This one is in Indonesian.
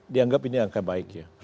dianggap ini angka baik ya